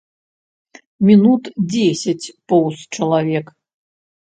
Мінут дзесяць поўз чалавек.